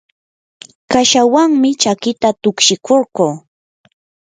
kashawanmi chakita tukshikurquu.